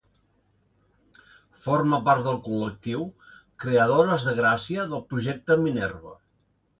Forma part del col·lectiu Creadores de Gràcia del Projecte Minerva.